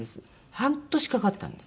半年かかったんです。